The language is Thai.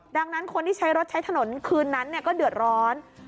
ดังนั้นคนที่ใช้รถใช้ถนนคืนนั้นก็เดือดร้อน